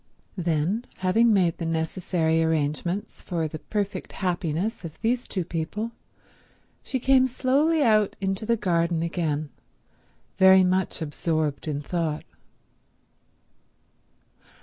Then, having made the necessary arrangements for the perfect happiness of these two people, she came slowly out into the garden again, very much absorbed in thought.